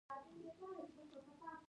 لمسی له خپلو وړو وروڼو سره لوبې کوي.